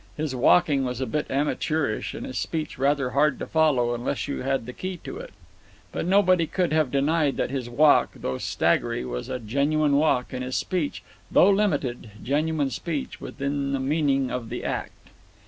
His walking was a bit amateurish, and his speech rather hard to follow unless you had the key to it. But nobody could have denied that his walk, though staggery, was a genuine walk, and his speech, though limited, genuine speech, within the meaning of the act.